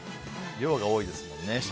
量が多いですもんね。